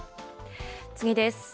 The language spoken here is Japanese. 次です。